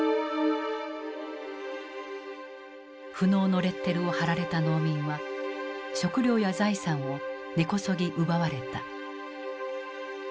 富農のレッテルを貼られた農民は食糧や財産を根こそぎ奪われた。